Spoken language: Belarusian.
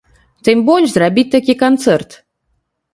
Тым больш, зрабіць такі канцэрт.